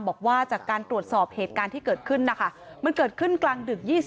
บอกว่าจากการตรวจสอบเหตุการณ์ที่เกิดขึ้นนะคะมันเกิดขึ้นกลางดึก๒๐